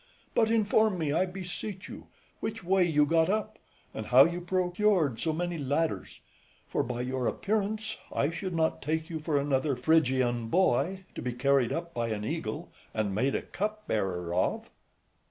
But inform me, I beseech you, which way you got up, and how you procured so many ladders; for, by your appearance, I should not take you for another Phrygian boy, to be carried up by an eagle, and made a cup bearer of.